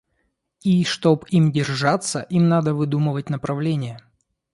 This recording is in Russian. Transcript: И, чтоб им держаться, им надо выдумывать направление.